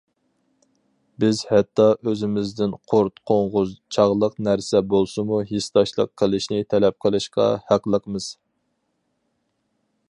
بىز ھەتتا ئۆزىمىزدىن قۇرت- قوڭغۇز چاغلىق نەرسە بولسىمۇ ھېسداشلىق قىلىشنى تەلەپ قىلىشقا ھەقلىقمىز.